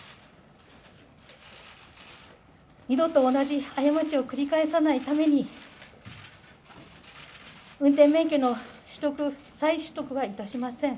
二度と同じ過ちを繰り返さないために、運転免許の再取得はいたしません。